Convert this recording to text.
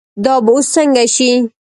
دا به اوس څنګه شي.